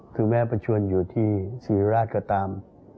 คือแม้ประชวนอยู่ที่ศรีราชก็ตาม